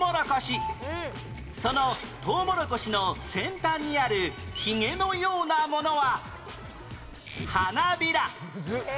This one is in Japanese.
そのトウモロコシの先端にあるヒゲのようなものは